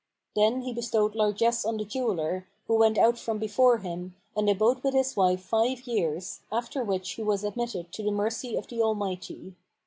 Then he bestowed largesse on the jeweller, who went out from before him and abode with his wife five years, after which he was admitted to the mercy of the Almighty.